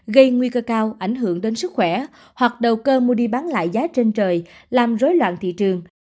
gây nguy cơ cao ảnh hưởng đến sức khỏe hoặc đầu cơ mua đi bán lại giá trên trời làm rối loạn thị trường